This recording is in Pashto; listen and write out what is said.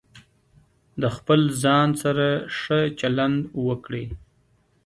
د خپل ځان سره ښه چلند وکړئ.